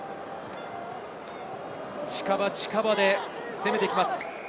近場近場で攻めていきます。